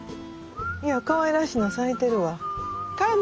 いやかわいらしいの咲いてるわ。